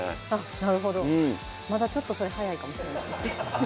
なるほどまだちょっとそれ早いかもしれないですね